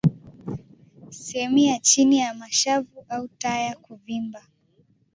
Sehemu ya chini ya Mashavu au Taya kuvimba